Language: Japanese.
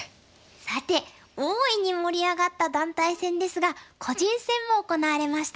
さて大いに盛り上がった団体戦ですが個人戦も行われました。